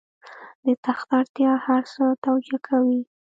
د تخت اړتیا هر څه توجیه کوي.